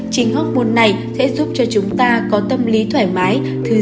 chính hóc môn này sẽ giúp cho chúng ta có tâm lý thoải mái